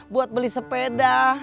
buat beli sepeda